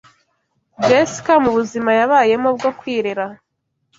Jessica mu buzima yabayemo bwo kwirera